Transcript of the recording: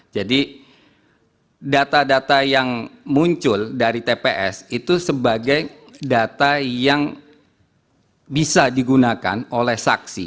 jadi data data yang muncul dari tps itu sebagai data yang bisa digunakan oleh saksi